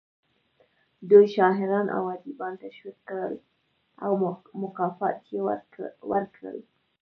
دوی شاعران او ادیبان تشویق کړل او مکافات یې ورکړل